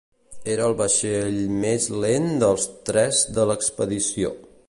Era el vaixell més lent dels tres de l'expedició.